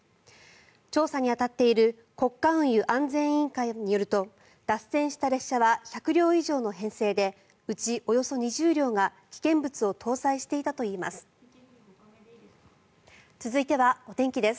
調査に当たっている国家運輸安全員会によると脱線した列車は１００両以上の編成でうちおよそ２０両が危険物を搭載していたといいます。